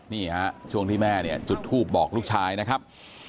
นี่ฮะช่วงที่แม่เนี่ยจุดทูบบอกลูกชายนะครับ